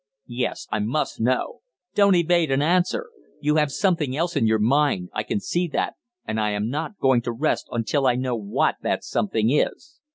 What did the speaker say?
Yes, I must know. Don't evade an answer. You have something else in your mind, I can see that, and I am not going to rest until I know what that something is."